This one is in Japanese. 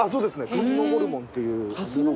鹿角ホルモンっていう。